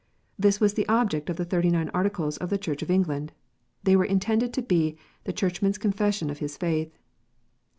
This was the object of the Thirty nine Articles of the Church of England. They were intended to be "the Churchman s Confession of his faith."